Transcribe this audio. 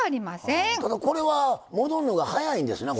ただこれは戻るのが早いんですな。